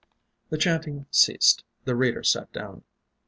The chanting ceased; the Reader sat down.